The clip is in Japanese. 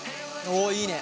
おいいね。